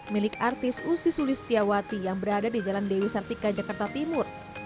milik artis usi sulistiawati yang berada di jalan dewi sartika jakarta timur